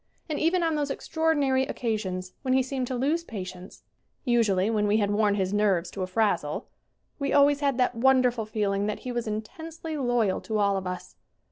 And even on those extraordinary occasions when he seemed to lose patience usually when we had worn his nerves to a frazzle we al ways had that wonderful feeling that he was intensely loyal to all of us.